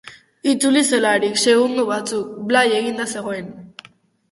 Itzuli zelarik, segundo batzuk, blai eginda zegoen.